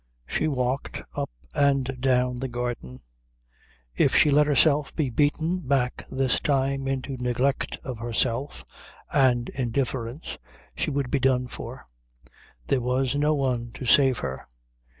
She walked up and down the garden. If she let herself be beaten back this time into neglect of herself and indifference she would be done for. There was no one to save her.